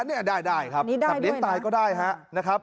อันนี้ได้ครับสัตว์เลี้ยงตายก็ได้ครับนะครับ